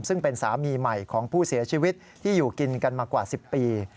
ซึ่งเป็นสามีใหม่ของผู้เสียชีวิตที่อยู่กินกันมากว่า๑๐ปี